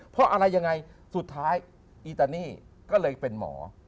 เพราะอะไรยังไงสุดท้ายอีตานี่ก็เลยเป็นหมอ